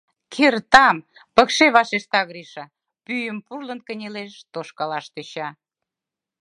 — Кертам, — пыкше вашешта Гриша, пӱйым пурлын кынелеш, тошкалаш тӧча.